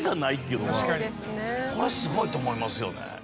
これはすごいと思いますよね。